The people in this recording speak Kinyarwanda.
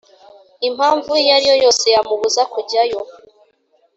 impamvu iyo ari yo yose yamubuza kujyayo